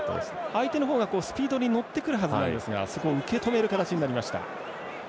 相手の方がスピードに乗ってくるはずなんですがそこを受け止める形になりました。